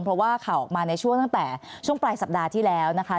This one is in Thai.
เพราะว่าข่าวออกมาในช่วงตั้งแต่ช่วงปลายสัปดาห์ที่แล้วนะคะ